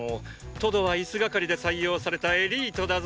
トドはイス係で採用されたエリートだぞ。